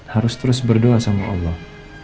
harus terus berdoa sama allah